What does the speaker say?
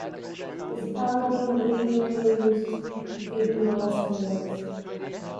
The Spalding railway used Vignoles rails.